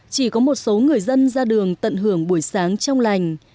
chỉ có một số người dân ra đường tận hưởng buổi sáng trong lành